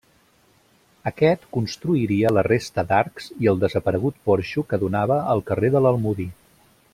Aquest construiria la resta d'arcs i el desaparegut porxo que donava al carrer de l'Almodí.